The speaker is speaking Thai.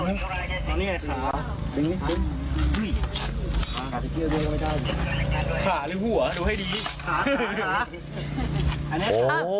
อันนี้ไงขาดึงดึงขาหรือหัวดูให้ดีขาขาขา